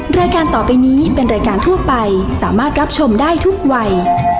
รายการต่อไปนี้เป็นรายการทั่วไปสามารถรับชมได้ทุกวัย